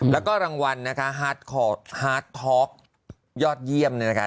แล้วก็รางวัลนะคะฮาร์ดท็อกยอดเยี่ยมเนี่ยนะคะ